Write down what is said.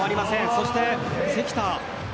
そして関田